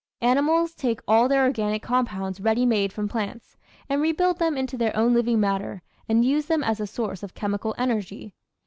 Animals take all their organic compounds ready made from plants, and rebuild them into their own living matter, and use them as a source of chemical energy.